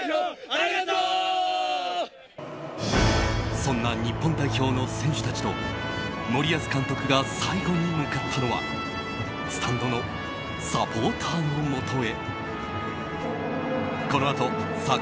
そんな日本代表の選手たちと森保監督が最後に向かったのはスタンドのサポーターのもとへ。